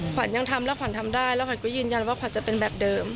ขวัญยังทำแล้วขวัญทำได้แล้วขวัญก็ยืนยันว่าขวัญจะเป็นแบบเดิม